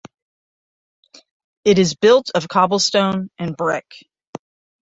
It is built of cobblestone and brick.